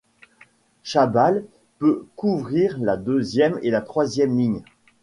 Chabal peut couvrir la deuxième et la troisième ligne.